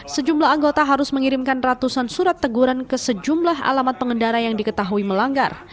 sejumlah anggota harus mengirimkan ratusan surat teguran ke sejumlah alamat pengendara yang diketahui melanggar